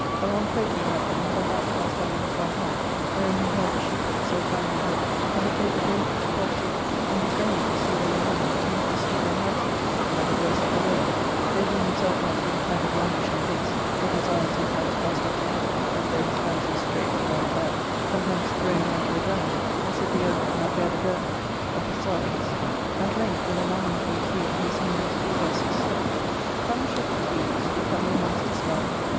A long cloak he had on, but that cast under his right arm, wherein he held a sheep hook so finely wrought that it gave a bravery to poverty, and his raiments, though they were mean, yet received they handsomeness by the grace of the 92 ARCADIA,— Book I, wearer; though he himself went but a kind of languishing pace, with his eyes sometimes cast up to heaven, as though his fancies strave to mount higher ; sometimes thrown down to the ground, as if the earth could not bear the burthen of his sorrows. At length, with a lamentable tune, he sung these few verses :—'. I " Come, shepherd's weeds, become your master's mind, •